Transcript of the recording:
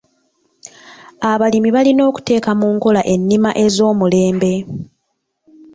Abalimi balina okuteeka mu nkola ennima ez'omulembe.